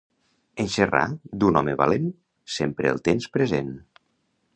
En xerrar d'un home valent, sempre el tens present.